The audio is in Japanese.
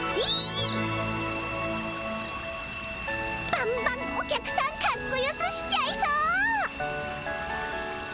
バンバンお客さんかっこよくしちゃいそう！